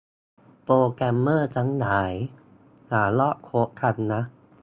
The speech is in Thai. โปรแกรมเมอร์ทั้งหลาย อย่าลอกโค้ดกันนะ